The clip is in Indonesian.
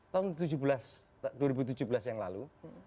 tahun dua ribu tujuh belas yang lalu